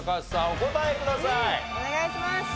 お答えください。